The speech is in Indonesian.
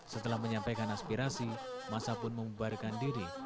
setelah menyampaikan aspirasi masa pun membubarkan diri